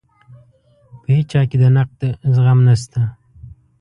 په هیچا کې د نقد زغم نشته.